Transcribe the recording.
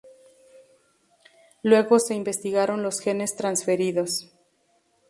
Luego se investigaron los genes transferidos.